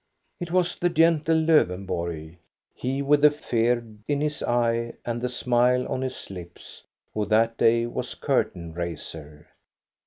It was the gentie Lowenborg, — he with the fear in his eye and the smile on his lips, — who that day was curtain raiser.